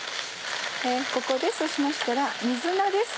ここでそうしましたら水菜です。